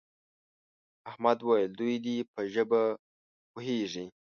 احمد وویل دوی دې په ژبه پوهېږي.